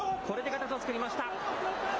これで形を作りました。